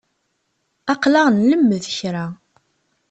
Aql-aɣ nlemmed kan.